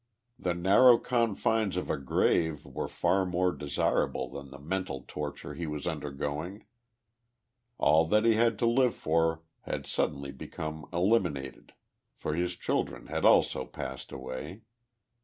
The narrow confines of a grave were far more desirable than the mental torture lie was undergoing. All that lie had to live for had suddenly become eliminated, for his children had also passed away.